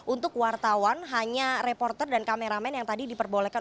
untuk wartawan hanya reporter dan kameramen yang tadi diperbolehkan